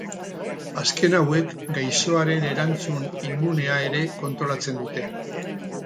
Azken hauek gaixoaren erantzun immunea ere kontrolatzen dute.